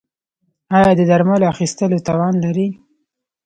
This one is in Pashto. ایا د درملو اخیستلو توان لرئ؟